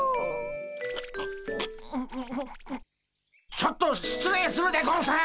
ちょっと失礼するでゴンス！